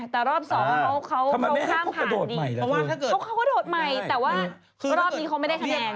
แต่รอบสองเขาข้ามผ่านนี่เพราะว่าเขาก็โดดใหม่แต่ว่ารอบนี้เขาไม่ได้คะแนน